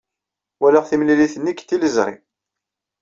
Walaɣ timlilit-nni deg tliẓri.